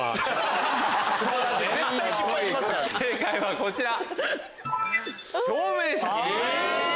正解はこちら。